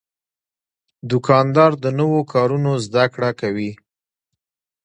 دوکاندار د نوو کارونو زدهکړه کوي.